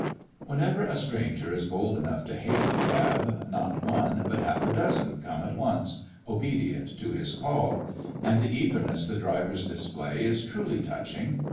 Whenever a stranger is bold enough to hail a cab, not one, but half a dozen come at once, obedient to his call; and the eagerness the drivers display is truly touching.